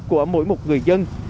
của mỗi một người dân